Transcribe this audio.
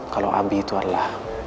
kalau abi itu adalah